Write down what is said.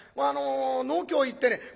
あの農協へ行ってね